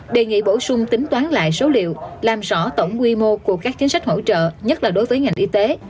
đề nghị bổ sung tính toán lại số liệu làm rõ tổng quy mô của các chính sách hỗ trợ nhất là đối với ngành y tế